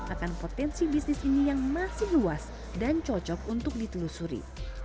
akan potensi bisnis ini yang masih luas dan cocok untuk ditelusuri